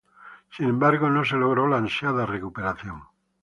Sin embargo no se logró la ansiada recuperación.